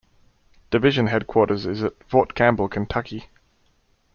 Division headquarters is at Fort Campbell, Kentucky.